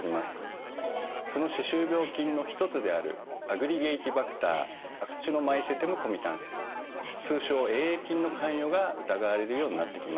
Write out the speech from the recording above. その歯周病菌の一つであるアグリゲイティバクター・アクチノマイセテムコミタンス通称Ａ．ａ．菌の関与が疑われるようになってきました。